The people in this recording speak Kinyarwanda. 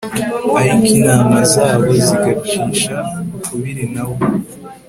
ariko inama zabo zigacisha ukubiri na we